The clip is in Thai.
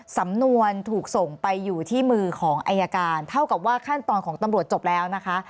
สำนวนถูกส่งไปอยู่ที่มือของอายการเท่ากับว่าขั้นตอนของตำรวจจบแล้วนะคะ